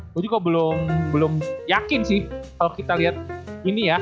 gue juga belum yakin sih kalau kita lihat ini ya